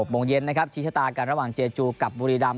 โมงเย็นนะครับชี้ชะตากันระหว่างเจจูกับบุรีดำ